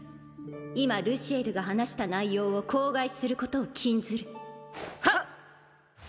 今ルシエルが話した内容を口外することを禁ずるはっ！